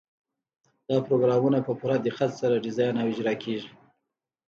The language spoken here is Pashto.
دا پروګرامونه په پوره دقت سره ډیزاین او اجرا کیږي.